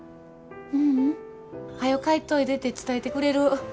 はよ帰っといでて伝えてくれる？